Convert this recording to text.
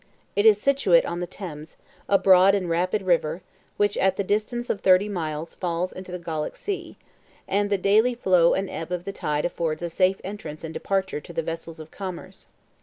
It is situate on the Thames, a broad and rapid river, which at the distance of thirty miles falls into the Gallic Sea; and the daily flow and ebb of the tide affords a safe entrance and departure to the vessels of commerce.